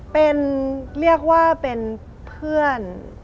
เป็นเรียกว่าเป็นเพื่อน